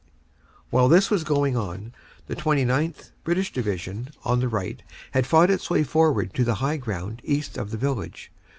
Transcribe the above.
While this was going on, the 49th. British Division on the right had fought its way forward to the high ground east of the village.